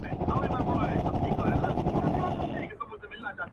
د دوو وروڼو تر مابین جوړه جگړه وه -